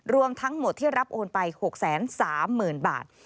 รวมทั้งหมดที่รับโอนไป๖๓๐๐๐บาท